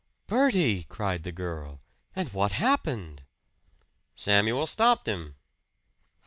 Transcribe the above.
"Bertie!" cried the girl. "And what happened?" "Samuel stopped him."